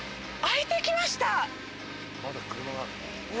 開いてきました。